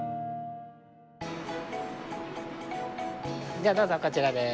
じゃあどうぞこちらです。